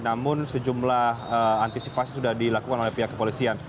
namun sejumlah antisipasi sudah dilakukan oleh pihak kepolisian